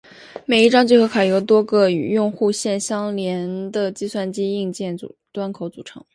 每一张聚合卡由多个与用户线相连的计算机硬件端口组成。